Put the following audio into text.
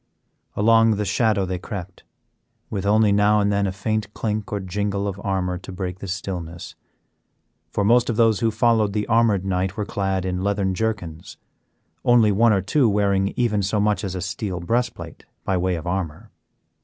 Along the shadow they crept, with only now and then a faint clink or jingle of armor to break the stillness, for most of those who followed the armed knight were clad in leathern jerkins; only one or two wearing even so much as a steel breast plate by way of armor.